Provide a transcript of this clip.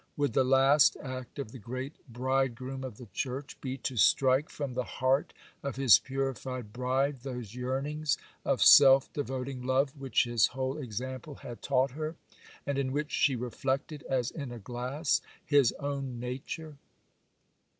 Would the last act of the great Bridegroom of the Church be to strike from the heart of his purified Bride those yearnings of self devoting love which His whole example had taught her, and in which she reflected, as in a glass, His own nature?